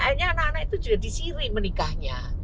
akhirnya anak anak itu juga disiri menikahnya